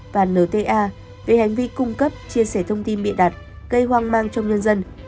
và nta về hành vi cung cấp chia sẻ thông tin bịa đặt gây hoang mang trong nhân dân